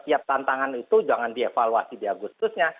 setiap tantangan itu jangan dievaluasi di agustusnya